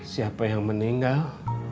siapa yang meninggal